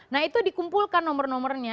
nah itu dikumpulkan nomor nomornya